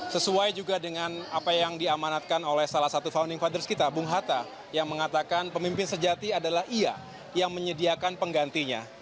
sesuai juga dengan apa yang diamanatkan oleh salah satu founding fathers kita bung hatta yang mengatakan pemimpin sejati adalah ia yang menyediakan penggantinya